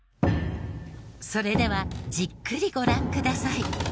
それではじっくりご覧ください。